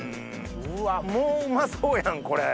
もううまそうやんこれ。